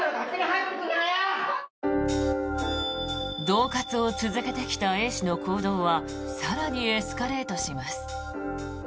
どう喝を続けてきたＡ氏の行動は更にエスカレートします。